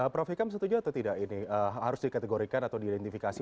prof hikam setuju atau tidak ini harus dikategorikan atau diidentifikasi